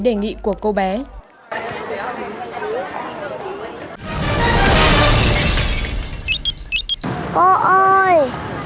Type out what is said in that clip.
đây này con ơi